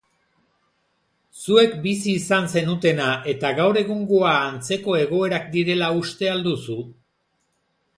Zuek bizi izan zenutena eta gaur egungoa antzeko egoerak direla uste al duzu?